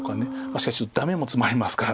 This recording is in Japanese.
しかしちょっとダメもツマりますから。